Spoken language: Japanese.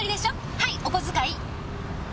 はいお小遣い。